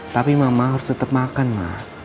tapi mama harus tetap makan mah